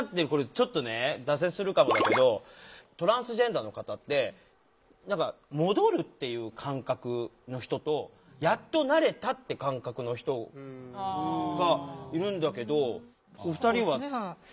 ちょっと脱線するかもだけどトランスジェンダーの方って何か戻るっていう感覚の人とやっとなれたって感覚の人がいるんだけどお二人は。